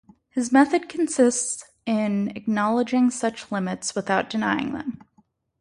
His method consists in acknowledging such limits without denying them.